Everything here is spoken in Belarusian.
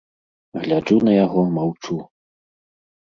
Гляджу на яго, маўчу.